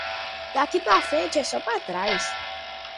Daqui para frente é só para trás.